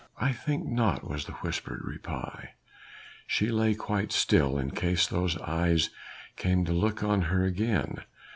"I think not," was the whispered reply. She lay quite still, in case those eyes came to look on her again.